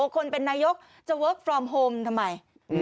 คนเป็นนายกจะเวิร์คฟอร์มโฮมทำไม